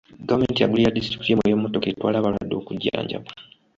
Gavumenti yagulira disitulikiti y'e Moyo emmotoka etwala abalwadde okujjanjabwa.